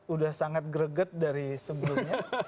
udah sangat greget dari sebelumnya